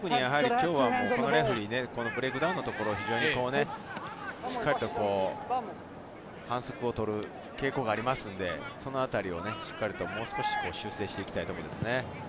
特にこのレフェリー、ブレイクダウンのところ、非常にしっかりと反則を取る傾向がありますのです、そのあたりをしっかりと修正していきたいところですね。